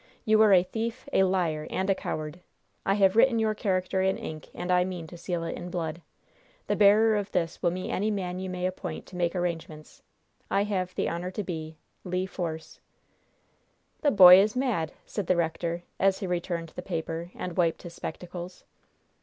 You are a thief, a liar and a coward! I have written your character in ink, and I mean to seal it in blood! The bearer of this will meet any man you may appoint to make arrangements. I have the honor to be, "Le Force." "The boy is mad!" said the rector, as he returned the paper and wiped his spectacles.